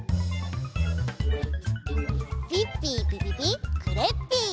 ピッピーピピピクレッピー！